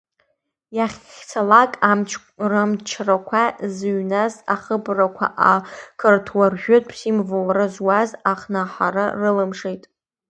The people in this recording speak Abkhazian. Иахьцалак амчрақәа зыҩназ ахыбрақәа ақырҭуа ржәытә символра зуаз акнаҳара рылымшеит.